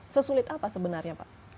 sesulit apa sebenarnya pak